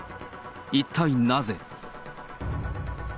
一体なぜ。